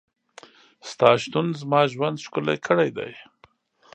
ستا شتون زما ژوند ښکلی کړی دی.